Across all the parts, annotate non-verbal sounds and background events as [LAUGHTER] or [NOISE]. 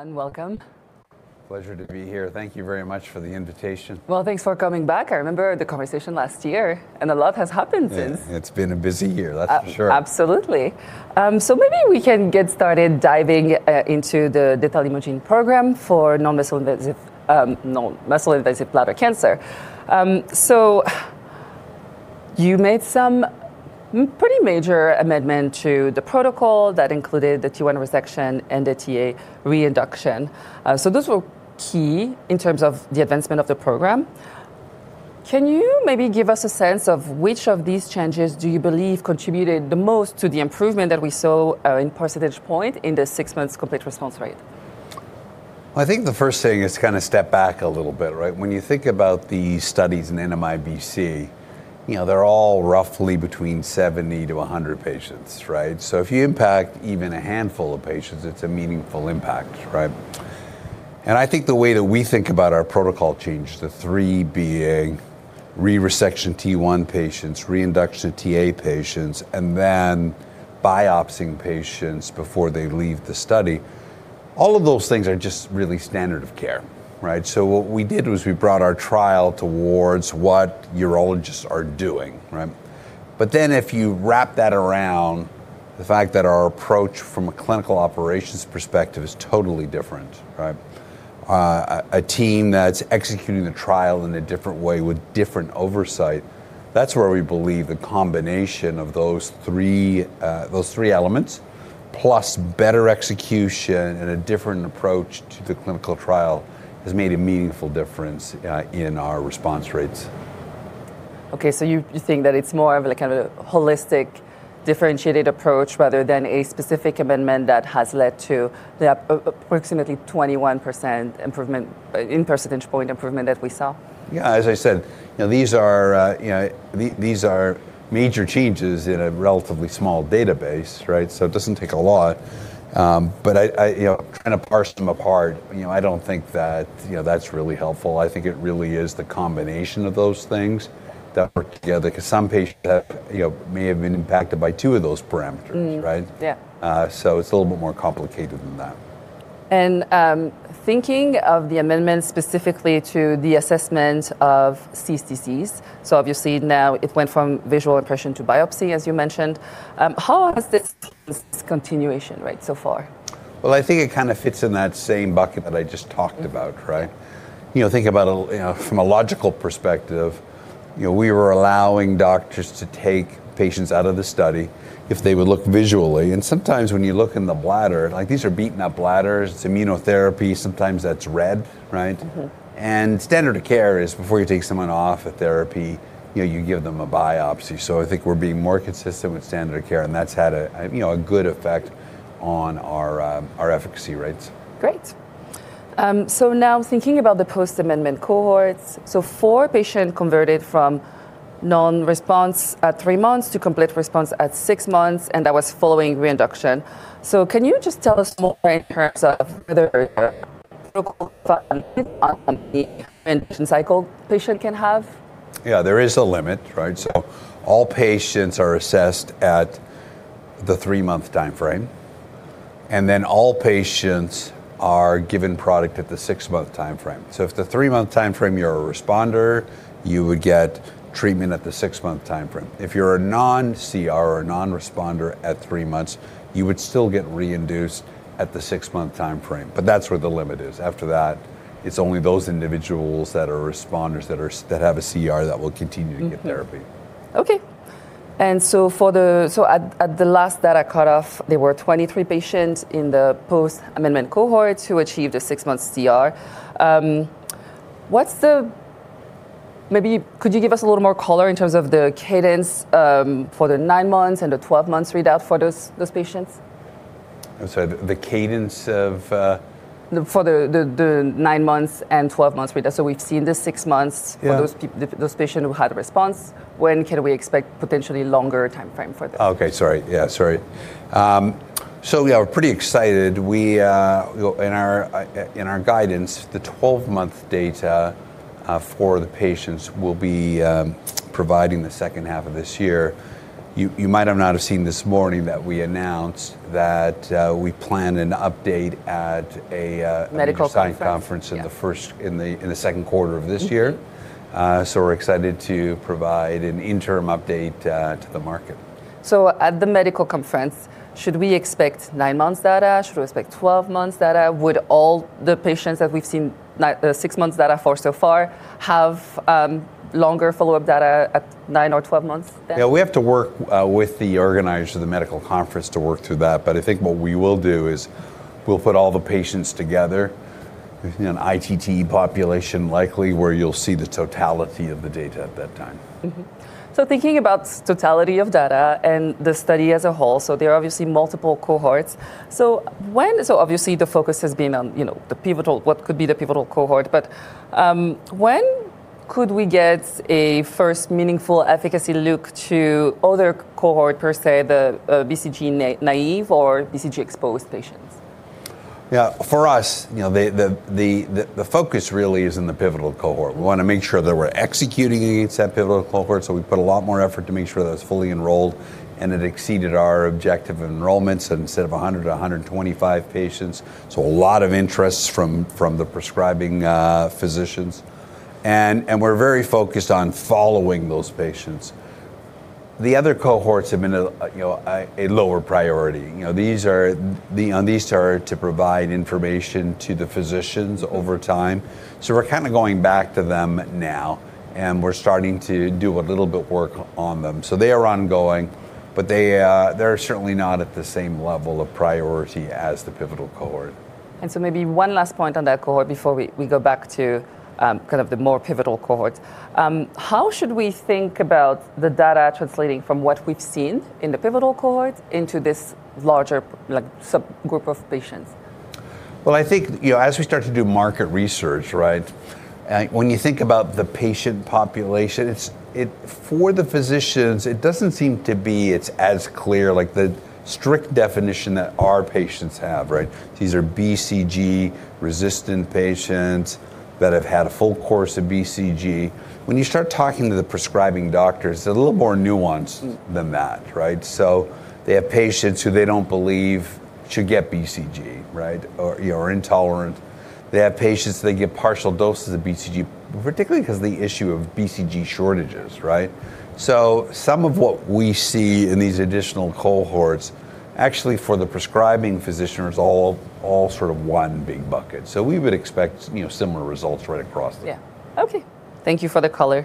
And, welcome. Pleasure to be here. Thank you very much for the invitation. Well, thanks for coming back. I remember the conversation last year, and a lot has happened since. It's been a busy year, that's for sure. Absolutely. Maybe we can get started diving into the detalimogene program for non-muscle invasive bladder cancer. You made some pretty major amendment to the protocol that included the T1 re-resection and the TA reinduction. Those were key in terms of the advancement of the program. Can you maybe give us a sense of which of these changes do you believe contributed the most to the improvement that we saw in percentage point in the six months complete response rate? I think the first thing is to kind of step back a little bit, right? When you think about the studies in NMIBC, you know, they're all roughly between 70 to 100 patients, right? If you impact even a handful of patients, it's a meaningful impact, right? I think the way that we think about our protocol change, the three being re-resection T1 patients, reinduction TA patients, and then biopsying patients before they leave the study, all of those things are just really standard of care, right? What we did was we brought our trial towards what urologists are doing, right? If you wrap that around the fact that our approach from a clinical operations perspective is totally different, right? A team that's executing the trial in a different way with different oversight, that's where we believe the combination of those three, those three elements, plus better execution and a different approach to the clinical trial has made a meaningful difference in our response rates. Okay, you think that it's more of like kind of a holistic, differentiated approach rather than a specific amendment that has led to the approximately 21% improvement in percentage point improvement that we saw? Yeah, as I said, you know, these are, you know, these are major changes in a relatively small database, right? It doesn't take a lot. I, you know, trying to parse them apart, you know, I don't think that, you know, that's really helpful. I think it really is the combination of those things that work together, 'cause some patients have, you know, may have been impacted by two of those parameters, right? Yeah. It's a little bit more complicated than that. Thinking of the amendment specifically to the assessment of this disease, obviously now it went from visual impression to biopsy, as you mentioned. How has this [AUDIO DISTORTION] continuation, right, so far? Well, I think it kind of fits in that same bucket that I just talked about, right? You know, think about a, you know, from a logical perspective, you know, we were allowing doctors to take patients out of the study if they would look visually, and sometimes when you look in the bladder, like these are beaten up bladders, it's immunotherapy, sometimes that's red, right? Mm-hmm. Standard of care is before you take someone off a therapy, you know, you give them a biopsy. I think we're being more consistent with standard of care, and that's had a, you know, a good effect on our efficacy rates. Great. Now thinking about the post-amendment cohorts, four patients converted from non-response at three months to complete response at six months. That was following reinduction. Can you just tell us more in terms of whether cycle patient can have? Yeah, there is a limit, right? All patients are assessed at the three-month timeframe, and then all patients are given product at the six-month timeframe. If the three-month timeframe you're a responder, you would get treatment at the six-month timeframe. If you're a non-CR or a non-responder at three months, you would still get reinduced at the six-month timeframe. That's where the limit is. After that, it's only those individuals that are responders that have a CR that will continue to get therapy. Okay. For the last data cutoff, there were 23 patients in the post-amendment cohort who achieved a six-month CR. Maybe could you give us a little more color in terms of the cadence for the nine months and the 12 months readout for those patients? I'm sorry. The cadence of? The nine months and twelve months read. We've seen the six months. Yeah for those patients who had a response. When can we expect potentially longer timeframe for this? Okay. Sorry. Yeah. Sorry. We are pretty excited. We in our in our guidance, the 12-month data for the patients will be providing the second half of this year. You might or not have seen this morning that we announced that we plan an update at a- Medical conference... science conference Yeah... in the second quarter of this year. Mm-hmm. We're excited to provide an interim update to the market. At the medical conference, should we expect nine months data? Should we expect 12 months data? Would all the patients that we've seen the six months data for so far have longer follow-up data at nine or 12 months? Yeah, we have to work with the organizers of the medical conference to work through that. I think what we will do is we'll put all the patients together in an ITT population likely where you'll see the totality of the data at that time. Thinking about totality of data and the study as a whole, there are obviously multiple cohorts. Obviously the focus has been on, you know, the pivotal, what could be the pivotal cohort. When could we get a first meaningful efficacy look to other cohort per se, the BCG-naive or BCG-exposed patients? Yeah. For us, you know, the focus really is in the pivotal cohort. We wanna make sure that we're executing against that pivotal cohort, so we put a lot more effort to make sure that it's fully enrolled and it exceeded our objective enrollments and instead of 100 to 125 patients, so a lot of interest from the prescribing physicians. We're very focused on following those patients. The other cohorts have been, you know, a lower priority. You know, these are to provide information to the physicians over time. We're kind of going back to them now, and we're starting to do a little bit work on them. They are ongoing, but they're certainly not at the same level of priority as the pivotal cohort. Maybe one last point on that cohort before we go back to, kind of the more pivotal cohorts. How should we think about the data translating from what we've seen in the pivotal cohort into this larger, like, subgroup of patients? I think, you know, as we start to do market research, right? When you think about the patient population, For the physicians, it doesn't seem to be it's as clear, like the strict definition that our patients have, right? These are BCG-unresponsive patients that have had a full course of BCG. When you start talking to the prescribing doctors, they're a little more nuanced. Mm... than that, right? They have patients who they don't believe should get BCG, right? You know, are intolerant. They have patients that get partial doses of BCG, particularly because the issue of BCG shortages, right? Some of what we see in these additional cohorts, actually for the prescribing physician, is all sort of one big bucket. We would expect, you know, similar results right across there. Yeah. Okay. Thank you for the color.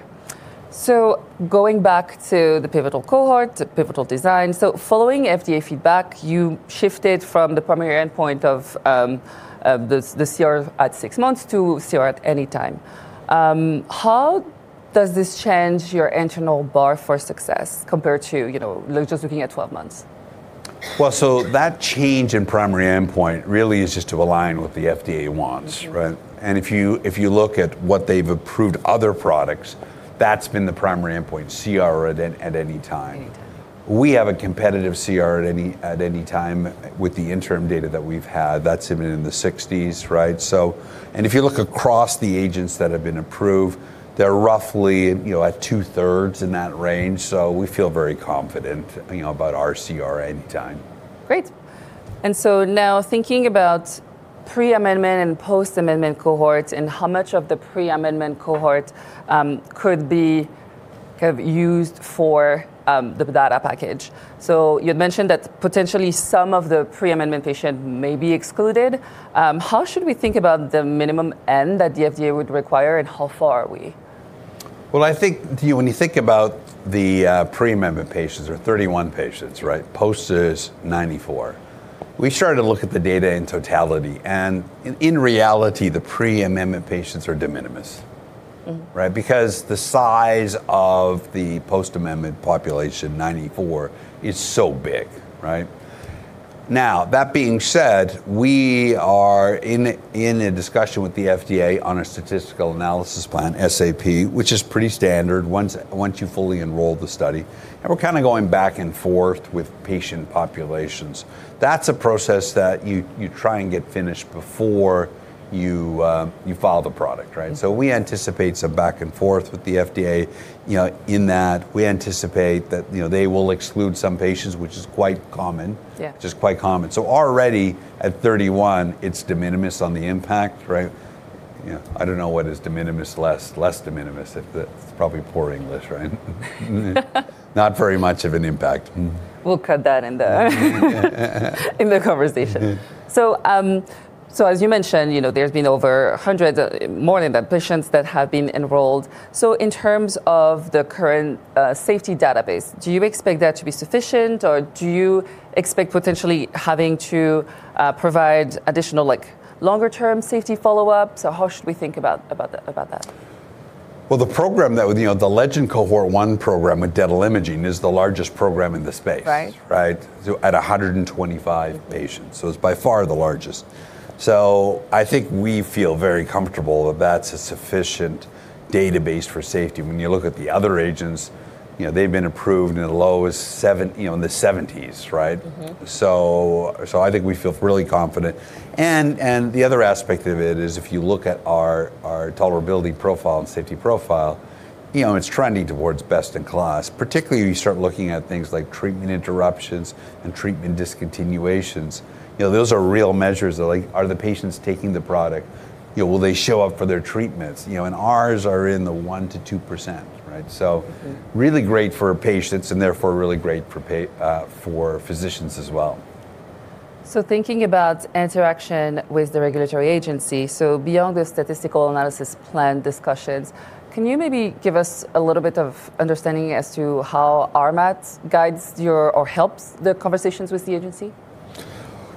Going back to the pivotal cohort, the pivotal design. Following FDA feedback, you shifted from the primary endpoint of the CR at six months to CR at any time. How does this change your internal bar for success compared to, you know, just looking at 12 months? That change in primary endpoint really is just to align with the FDA wants, right? Mm-hmm. If you look at what they've approved other products, that's been the primary endpoint, CR at any time. Any time. We have a competitive CR at any time with the interim data that we've had. That's even in the 60s, right? And if you look across the agents that have been approved, they're roughly, you know, at 2/3 in that range. We feel very confident, you know, about our CR anytime. Great. Now thinking about pre-amendment and post-amendment cohorts and how much of the pre-amendment cohort could be kind of used for the data package. You'd mentioned that potentially some of the pre-amendment patient may be excluded. How should we think about the minimum N that the FDA would require, and how far are we? Well, I think, you, when you think about the pre-amendment patients, there are 31 patients, right? Post is 94. We started to look at the data in totality, in reality, the pre-amendment patients are de minimis. Mm. Right? Because the size of the post-amendment population, 94, is so big, right? Now that being said, we are in a discussion with the FDA on a statistical analysis plan (SAP), which is pretty standard once you fully enroll the study. We're kind of going back and forth with patient populations. That's a process that you try and get finished before you file the product, right? Mm. We anticipate some back and forth with the FDA. You know, in that, we anticipate that, you know, they will exclude some patients, which is quite common. Yeah. Which is quite common. Already at 31, it's de minimis on the impact, right? You know, I don't know what is de minimis less de minimis. It's probably poor English, right? Not very much of an impact. We'll cut that in the conversation. Yeah. As you mentioned, you know, there's been over 100, more than that, patients that have been enrolled. In terms of the current safety database, do you expect that to be sufficient, or do you expect potentially having to provide additional, like, longer term safety follow-ups, or how should we think about that? Well, the program that, you know, the LEGEND Cohort 1 program with detalimogene is the largest program in the space. Right. Right? At 125 patients, so it's by far the largest. I think we feel very comfortable that that's a sufficient database for safety. When you look at the other agents, you know, they've been approved in the lowest 7, you know, in the 70s, right? Mm-hmm. I think we feel really confident. The other aspect of it is if you look at our tolerability profile and safety profile, you know, it's trending towards best in class, particularly when you start looking at things like treatment interruptions and treatment discontinuations. You know, those are real measures of, like, are the patients taking the product? You know, will they show up for their treatments, you know? Ours are in the 1% to 2%, right? Mm-hmm. really great for patients and therefore really great for physicians as well. Thinking about interaction with the regulatory agency, so beyond the statistical analysis plan discussions, can you maybe give us a little bit of understanding as to how RMAT guides your or helps the conversations with the agency?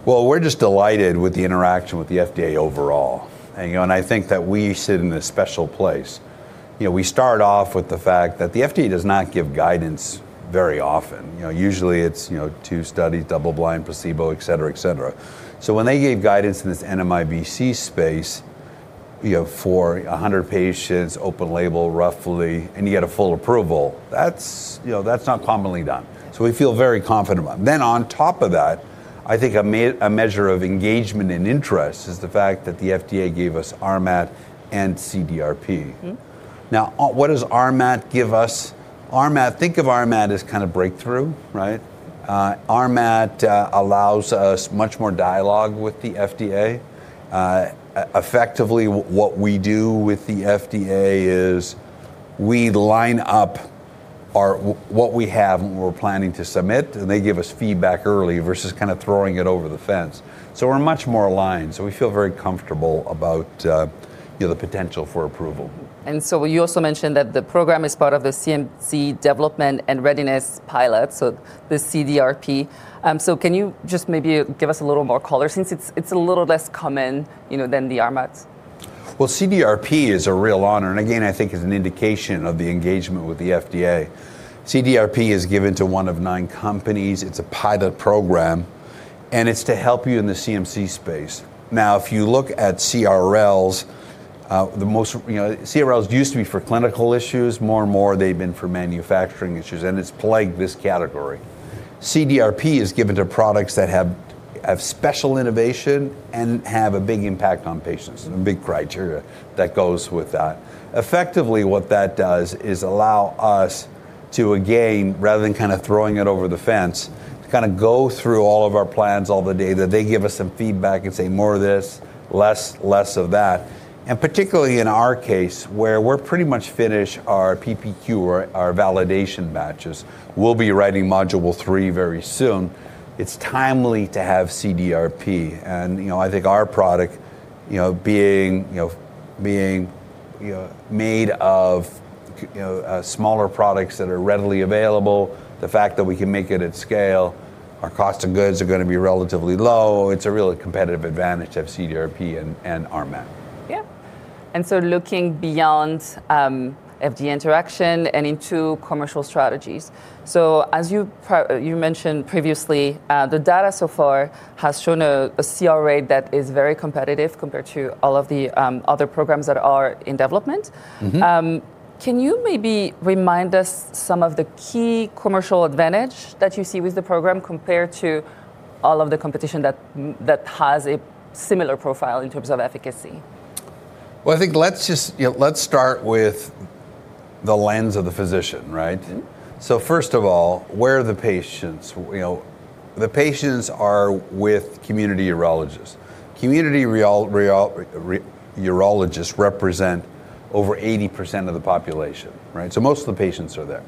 We're just delighted with the interaction with the FDA overall. You know, and I think that we sit in a special place. You know, we start off with the fact that the FDA does not give guidance very often. You know, usually it's, you know, two studies, double blind, placebo, et cetera, et cetera. When they gave guidance in this NMIBC space, you know, for 100 patients, open label roughly, and you get a full approval, that's, you know, that's not commonly done. We feel very confident about it. On top of that, I think a measure of engagement and interest is the fact that the FDA gave us RMAT and CDRP. Mm. What does RMAT give us? RMAT, think of RMAT as kind of breakthrough, right? RMAT allows us much more dialogue with the FDA. Effectively what we do with the FDA is we line up what we have and what we're planning to submit, and they give us feedback early versus kind of throwing it over the fence. We're much more aligned, so we feel very comfortable about, you know, the potential for approval. You also mentioned that the program is part of the CMC Development and Readiness Pilot, so the CDRP. Can you just maybe give us a little more color since it's a little less common, you know, than the RMATs? Well, CDRP is a real honor, and again, I think is an indication of the engagement with the FDA. CDRP is given to one of nine companies. It's a pilot program, and it's to help you in the CMC space. If you look at CRLs, You know, CRLs used to be for clinical issues. More and more they've been for manufacturing issues, and it's plagued this category. CDRP is given to products that have special innovation and have a big impact on patients. A big criteria that goes with that. Effectively, what that does is allow us to, again, rather than throwing it over the fence, to go through all of our plans, all the data. They give us some feedback and say, "More of this, less of that." Particularly in our case, where we're pretty much finished our PPQ or our validation batches, we'll be writing Module 3 very soon. It's timely to have CDRP and, you know, I think our product, you know, being, you know, made of smaller products that are readily available, the fact that we can make it at scale, our cost of goods are gonna be relatively low. It's a really competitive advantage to have CDRP and RMAT. Looking beyond FDA interaction and into commercial strategies. As you mentioned previously, the data so far has shown a CR rate that is very competitive compared to all of the other programs that are in development. Mm-hmm. Can you maybe remind us some of the key commercial advantage that you see with the program compared to all of the competition that has a similar profile in terms of efficacy? Well, I think let's just, you know, let's start with the lens of the physician, right? Mm-hmm. First of all, where are the patients? You know, the patients are with community urologists. Community urologists represent over 80% of the population, right? Most of the patients are there.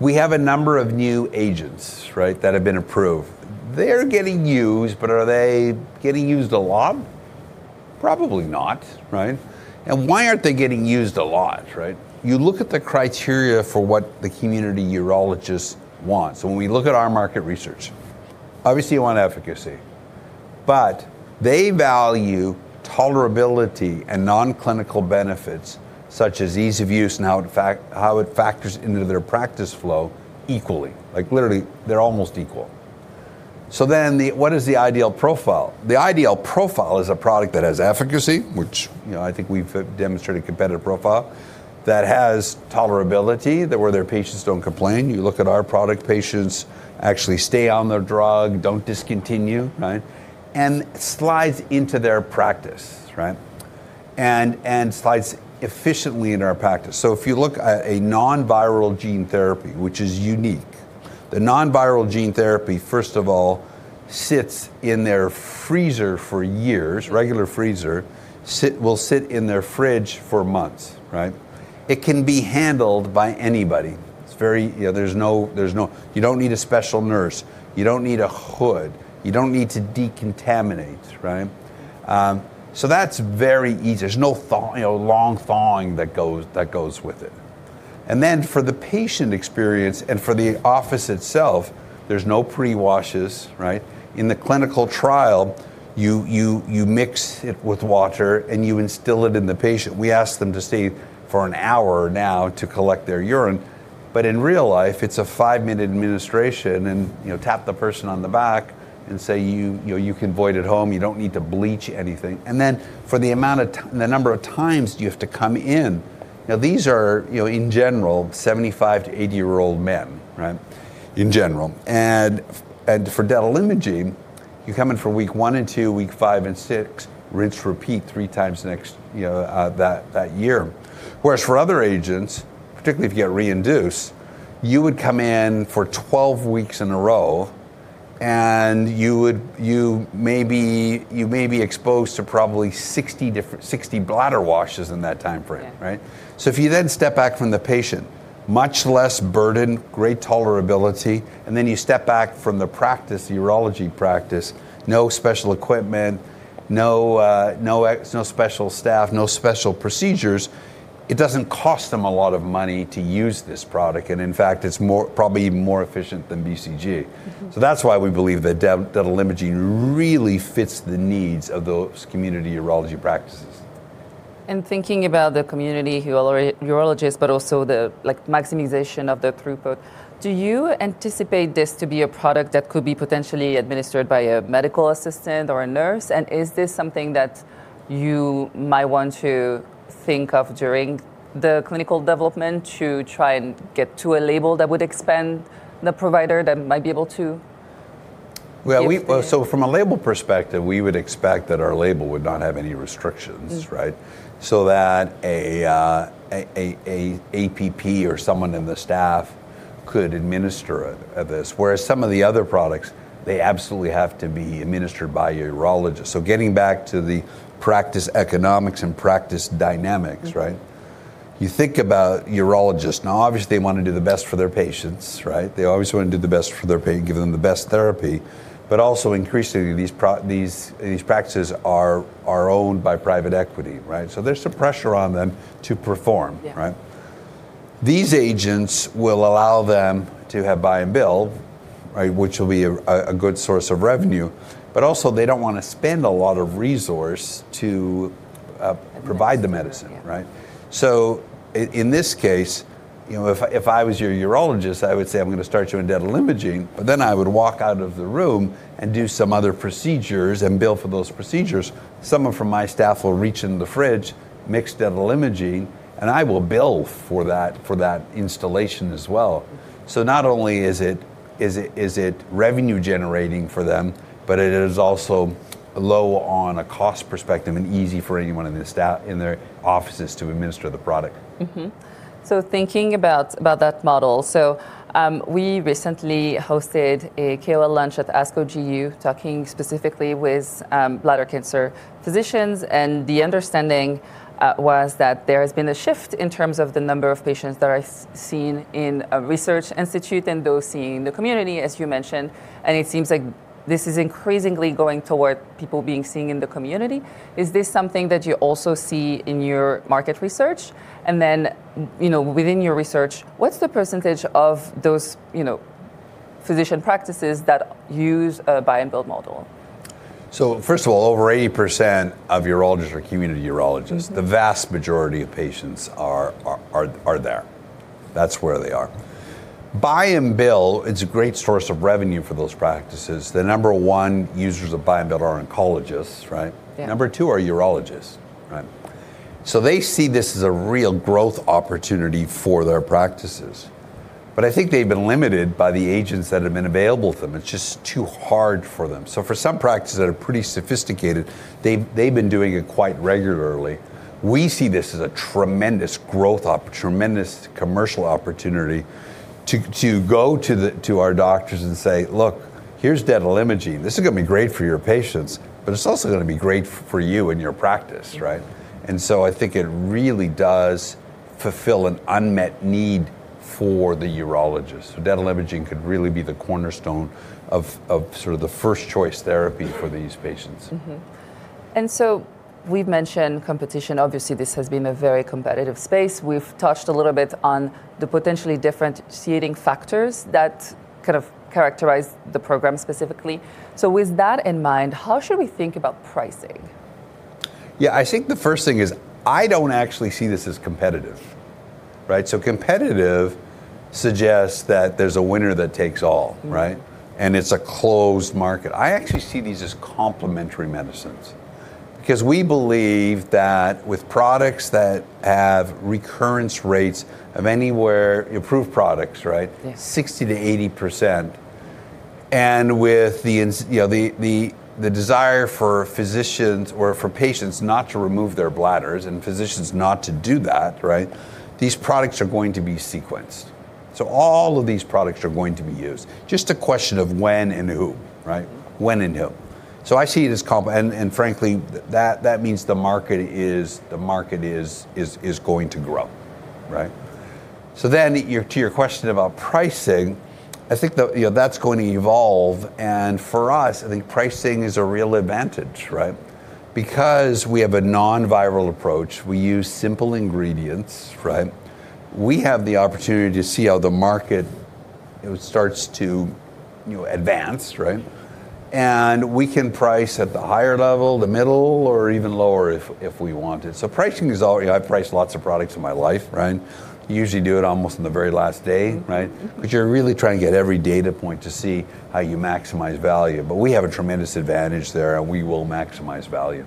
We have a number of new agents, right, that have been approved. They're getting used, but are they getting used a lot? Probably not, right? Why aren't they getting used a lot, right? You look at the criteria for what the community urologist wants, when we look at our market research, obviously you want efficacy. They value tolerability and non-clinical benefits such as ease of use and how it factors into their practice flow equally. Like, literally, they're almost equal. What is the ideal profile? The ideal profile is a product that has efficacy, which, you know, I think we've demonstrated competitive profile, that has tolerability, that where their patients don't complain. You look at our product, patients actually stay on their drug, don't discontinue, right? Slides into their practice, right? Slides efficiently into our practice. If you look at a non-viral gene therapy, which is unique, the non-viral gene therapy, first of all, sits in their freezer for years, regular freezer. Will sit in their fridge for months, right? It can be handled by anybody. It's very, you know, there's no. You don't need a special nurse. You don't need a hood. You don't need to decontaminate, right? That's very easy. There's no, you know, long thawing that goes with it. For the patient experience and for the office itself, there's no pre-washes, right? In the clinical trial, you mix it with water and you instill it in the patient. We ask them to stay for an hour now to collect their urine. In real life, it's a five-minute administration and, you know, tap the person on the back and say, "You know, you can void at home. You don't need to bleach anything." For the amount of the number of times you have to come in, now these are, you know, in general, 75 to 80-year-old men, right? In general. For detalimogene, you come in for week one and two, week five and six, rinse, repeat 3 times the next, you know, that year. Whereas for other agents, particularly if you get reinduce, you would come in for 12 weeks in a row, and you would, you may be exposed to probably 60 different bladder washes in that timeframe. Yeah. Right? If you then step back from the patient, much less burden, great tolerability, and then you step back from the practice, urology practice: no special equipment, no special staff, no special procedures. It doesn't cost them a lot of money to use this product. In fact, it's more, probably even more efficient than BCG. Mm-hmm. That's why we believe that detalimogene really fits the needs of those community urology practices. Thinking about the community urologists, but also the maximization of the throughput, do you anticipate this to be a product that could be potentially administered by a medical assistant or a nurse? Is this something that you might want to think of during the clinical development to try and get to a label that would expand the provider that might be able to. Well, we, so from a label perspective, we would expect that our label would not have any restrictions. Mm... right? That a APP or someone in the staff could administer it, this, whereas some of the other products, they absolutely have to be administered by a urologist. Getting back to the practice economics and practice dynamics. Mm... right? You think about urologists. Obviously they wanna do the best for their patients, right? They obviously wanna do the best for their give them the best therapy. Also, increasingly, these practices are owned by private equity, right? There's some pressure on them to perform. Yeah. Right? These agents will allow them to have buy and bill, right? Which will be a good source of revenue, but also, they don't wanna spend a lot of resource to- Administer... provide the medicine. Yeah. Right? In this case, you know, if I was your urologist, I would say, "I'm gonna start you on detalimogene," but then I would walk out of the room and do some other procedures and bill for those procedures. Someone from my staff will reach in the fridge, mix detalimogene, and I will bill for that instillation as well. Not only is it revenue generating for them, but it is also low on a cost perspective and easy for anyone in their offices to administer the product. Thinking about that model, we recently hosted a KOL lunch at ASCO GU, talking specifically with bladder cancer physicians, and the understanding was that there has been a shift in terms of the number of patients that I seen in a research institute than those seen in the community, as you mentioned, and it seems like this is increasingly going toward people being seen in the community. Is this something that you also see in your market research? you know, within your research, what's the % of those, you know, physician practices that use a buy and bill model? First of all, over 80% of urologists are community urologists. Mm-hmm. The vast majority of patients are there. That's where they are. Buy and bill, it's a great source of revenue for those practices. The number one users of buy and bill are oncologists, right? Yeah. Number two are urologists, right? They see this as a real growth opportunity for their practices, but I think they've been limited by the agents that have been available to them. It's just too hard for them. For some practices that are pretty sophisticated, they've been doing it quite regularly. We see this as a tremendous commercial opportunity to go to our doctors and say, "Look, here's detalimogene. This is gonna be great for your patients, but it's also gonna be great for you and your practice," right? Yeah. I think it really does fulfill an unmet need for the urologist. Detalimogene could really be the cornerstone of sort of the first choice therapy for these patients. We've mentioned competition. Obviously, this has been a very competitive space. We've touched a little bit on the potentially differentiating factors that kind of characterize the program specifically. With that in mind, how should we think about pricing? Yeah. I think the first thing is I don't actually see this as competitive, right? Competitive suggests that there's a winner that takes all, right? Mm. It's a closed market. I actually see these as complementary medicines, because we believe that with products that have recurrence rates of anywhere... approved products, right? Yeah. 60%-80%, and with you know, the desire for physicians or for patients not to remove their bladders and physicians not to do that, right? These products are going to be sequenced. All of these products are going to be used, just a question of when and who, right? When and who. I see it as And frankly, that means the market is going to grow, right? to your question about pricing, I think you know, that's going to evolve, and for us, I think pricing is a real advantage, right? Because we have a non-viral approach, we use simple ingredients, right? We have the opportunity to see how the market, you know, starts to, you know, advance, right? We can price at the higher level, the middle, or even lower if we wanted. Pricing is all. You know, I've priced lots of products in my life, right? You usually do it almost on the very last day, right? Mm-hmm. Mm-hmm. You're really trying to get every data point to see how you maximize value. We have a tremendous advantage there, and we will maximize value.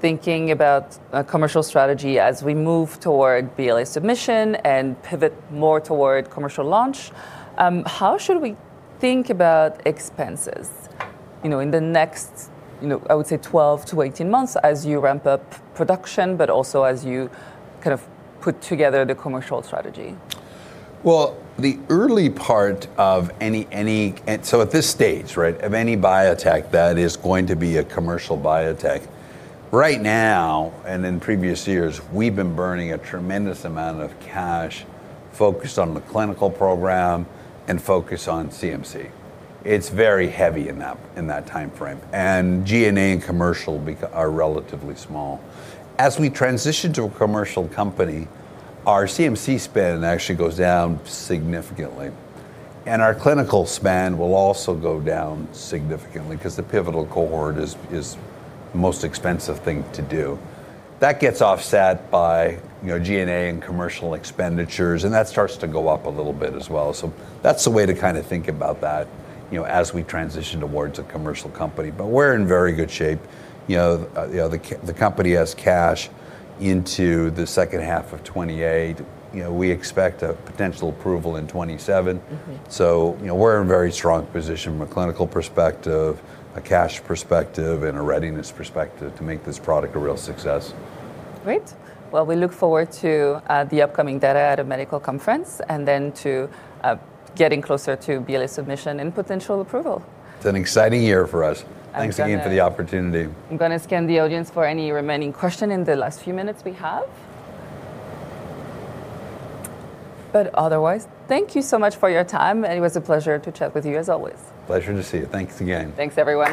Thinking about a commercial strategy as we move toward BLA submission and pivot more toward commercial launch, how should we think about expenses, you know, in the next, you know, I would say 12 to 18 months as you ramp up production, but also as you kind of put together the commercial strategy? Well, the early part of any. At this stage, right, of any biotech that is going to be a commercial biotech, right now and in previous years, we've been burning a tremendous amount of cash focused on the clinical program and focus on CMC. It's very heavy in that, in that timeframe, and G&A and commercial are relatively small. As we transition to a commercial company, our CMC spend actually goes down significantly, and our clinical spend will also go down significantly 'cause the pivotal cohort is the most expensive thing to do. That gets offset by, you know, G&A and commercial expenditures, and that starts to go up a little bit as well. That's the way to kinda think about that, you know, as we transition towards a commercial company, but we're in very good shape. You know, the company has cash into the second half of 2028. You know, we expect a potential approval in 2027. Mm-hmm. You know, we're in very strong position from a clinical perspective, a cash perspective, and a readiness perspective to make this product a real success. Great. Well, we look forward to the upcoming data at a medical conference and then to getting closer to BLA submission and potential approval. It's an exciting year for us. I'm gonna- Thanks again for the opportunity. I'm gonna scan the audience for any remaining question in the last few minutes we have. Otherwise, thank you so much for your time, and it was a pleasure to chat with you as always. Pleasure to see you. Thanks again. Thanks, everyone.